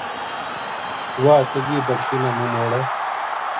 واہ سجی باکھی نا منہ موڑے